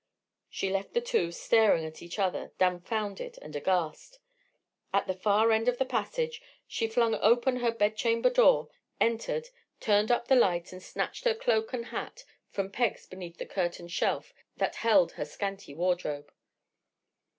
She left the two staring at each other, dumbfounded and aghast. At the far end of the passage she flung open her bedchamber door, entered, turned up the light, and snatched her cloak and hat from pegs beneath the curtained shelf that held her scanty wardrobe.